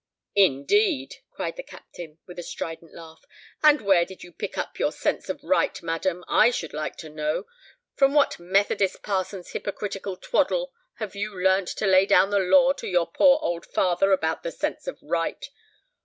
"Indeed!" cried the Captain, with a strident laugh; "and where did you pick up your sense of right, madam, I should like to know? From what Methodist parson's hypocritical twaddle have you learnt to lay down the law to your poor old father about the sense of right?